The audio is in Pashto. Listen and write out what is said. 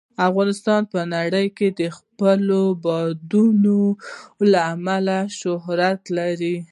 افغانستان په نړۍ کې د خپلو بادامو له امله شهرت لري.